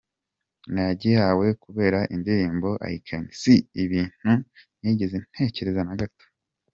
Nagihawe kubera indirimbo I can see, ibintu ntigeze ntekereza na gato”.